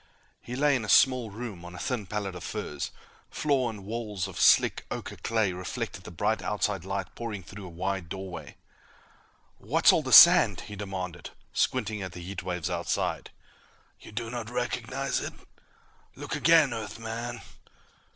He lay in a small room, on a thin pallet of furs. Floor and walls of slick, ocher clay reflected the bright outside light pouring through a wide doorway. "What's all the sand?" he demanded, squinting at the heatwaves outside. "You do not recognize it? Look again, Earthman!"